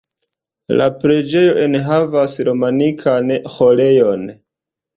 La preĝejo enhavas romanikan Ĥorejon.